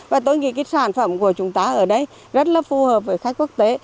và tôi nghĩ cái sản phẩm của chúng ta ở đây rất là phù hợp với khách quốc tế